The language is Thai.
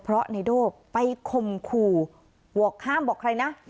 เพราะนายโด่ไปข่มขู่บอกห้ามบอกใครนะ